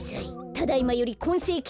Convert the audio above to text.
ただいまよりこんせいき